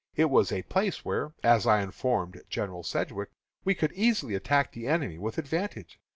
It was a place where, as I informed General Sedgwick, we could easily attack the enemy with advantage.